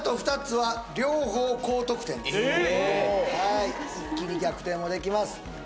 はい一気に逆転もできます